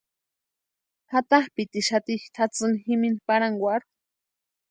Jatapʼitixati tʼatsini jimini pʼarhankwarhu.